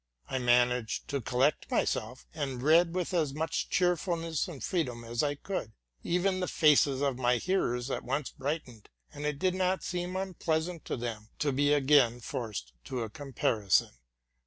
I managed to collect myself, and read with as much cheerfulness and fr eedom as I could. Even the faces of my hearers at once brightened, and it did not seem unpleasant to them to be again forced to a comparison.